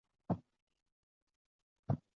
叶恭绰兼任总监督。